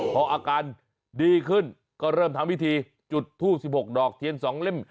พออาการดีขึ้นก็เริ่มทำพิธีจุดทูบ๑๖ดอกเทียน๒เล่ม